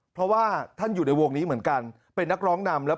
เพราะว่าท่านอยู่ในวงนี้เหมือนกันเป็นนักร้องนำแล้ว